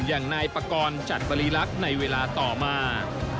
อย่างนายปกรณ์จัดบริรักษ์ในเวลาต่อมา